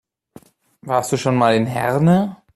Warst du schon mal in Herne?